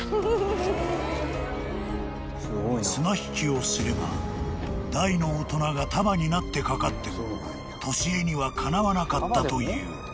［綱引きをすれば大の大人が束になってかかっても年恵にはかなわなかったという］